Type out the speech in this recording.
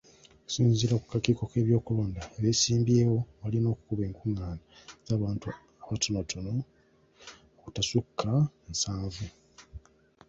Okusinziira ku kakiiko k'ebyokulonda, abeesimbyewo balina okukuba enkung'aana z'abantu batontono abatasukka nsanvu.